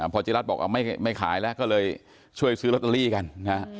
พอจิรัฐบอกไม่ขายแล้วก็เลยช่วยซื้อลอตเตอรี่กันนะฮะ